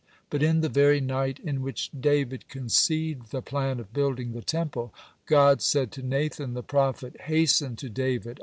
But in the very night in which David conceived the plan of building the Temple, God said to Nathan the prophet: "Hasten to David.